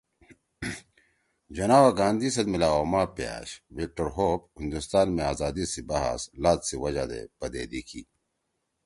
جناح او گاندھی سیت میلاؤ ہؤ ما پیأش وِکٹر ہوپ ہندوستان می آزادی سی بَحث لات سی وجہ دے پدیدی کی